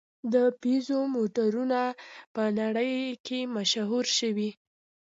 د پيژو موټرونه په نړۍ کې مشهور شوي.